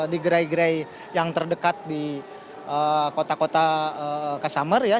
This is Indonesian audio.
di gerai gerai yang terdekat di kota kota customer ya